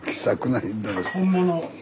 ・本物。